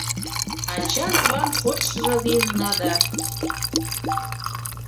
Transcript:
Ачан-аван шочшыжо лийынна да